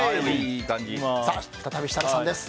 再び、設楽さんです。